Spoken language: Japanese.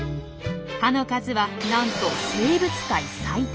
歯の数はなんと生物界最多。